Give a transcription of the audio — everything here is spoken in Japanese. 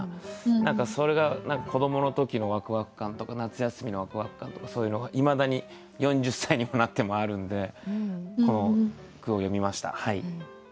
何かそれが子どもの時のワクワク感とか夏休みのワクワク感とかそういうのがいまだに４０歳にもなってもあるんでこの句を詠みました。